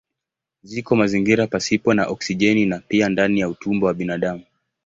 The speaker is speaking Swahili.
Ziko mazingira pasipo na oksijeni na pia ndani ya utumbo wa binadamu.